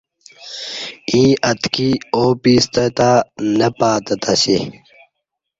ییں اتکی ا و پیستہ تہ نہ پاتہ تا سی